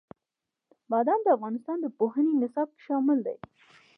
بادام د افغانستان د پوهنې نصاب کې شامل دي.